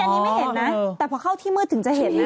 อันนี้ไม่เห็นนะแต่พอเข้าที่มืดถึงจะเห็นนะ